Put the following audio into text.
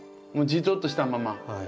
もうジトッとしたまま。